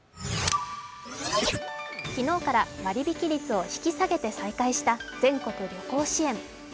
昨日から割引率を引き下げて再開した全国旅行支援。